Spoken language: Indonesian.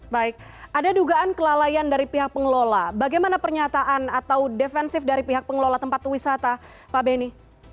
baik ada dugaan kelalaian dari pihak pengelola bagaimana pernyataan atau defensif dari pihak pengelola tempat wisata pak benny